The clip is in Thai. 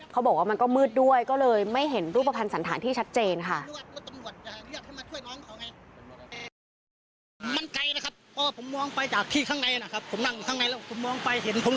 เขาบอกว่ามันก็มืดด้วยก็เลยไม่เห็นรูปภัณฑ์สันธารที่ชัดเจนค่ะ